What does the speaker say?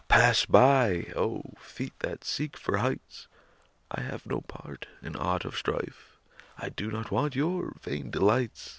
Pass by, oh, feet that seek for heights! I have no part in aught of strife; I do not want your vain delights.